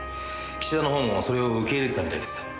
岸田の方もそれを受け入れてたみたいです。